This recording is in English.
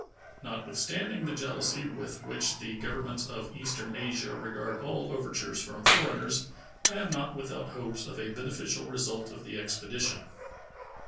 Notwithstanding the jealousy with which the Governments of eastern Asia regard all overtures from foreigners, I am not without hopes of a beneficial result of the expedition.